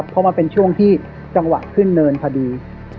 เพราะเป็นช่วงที่ว่าจังหวะขึ้นแล้วพอดี